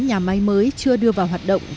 và nhiều dự án nhà máy mới chưa đưa vào hoạt động